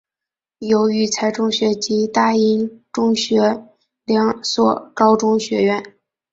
有育才中学及大英中学两所高中学院。